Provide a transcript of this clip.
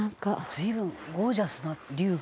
「随分ゴージャスな龍が」